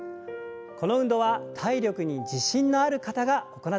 この運動は体力に自信のある方が行ってください。